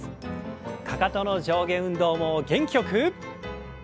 かかとの上下運動を元気よく。